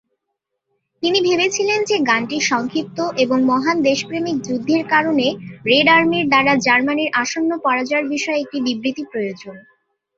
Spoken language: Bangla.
তিনি ভেবেছিলেন যে গানটি সংক্ষিপ্ত এবং মহান দেশপ্রেমিক যুদ্ধের কারণে, রেড আর্মির দ্বারা জার্মানির আসন্ন পরাজয়ের বিষয়ে একটি বিবৃতি প্রয়োজন।